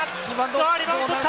リバウンド取った！